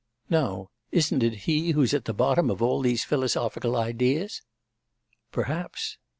Now isn't it he who's at the bottom of all these philosophical ideas?' 'Perhaps.